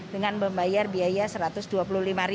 dengan membayar biaya rp satu ratus dua puluh lima